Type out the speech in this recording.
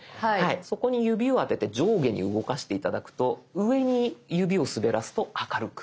そこに指を当てて上下に動かして頂くと上に指を滑らすと明るく。